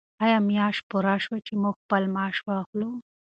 آیا میاشت پوره شوه چې موږ خپل معاش واخلو؟